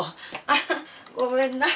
あごめんな。